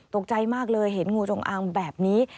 ตกใจมากเลยเห็นงูจงอางแบบนี้